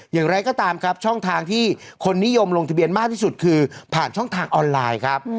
อย่างไรก็ตามครับช่องทางที่คนนิยมลงทะเบียนมากที่สุดคือผ่านช่องทางออนไลน์ครับ